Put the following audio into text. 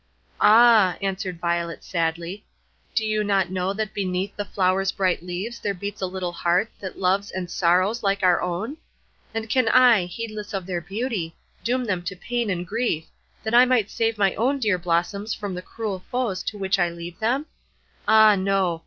"Ah!" answered Violet sadly, "do you not know that beneath the flowers' bright leaves there beats a little heart that loves and sorrows like our own? And can I, heedless of their beauty, doom them to pain and grief, that I might save my own dear blossoms from the cruel foes to which I leave them? Ah no!